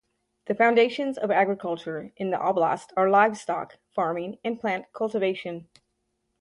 The foundations of agriculture in the oblast are livestock farming and plant cultivation.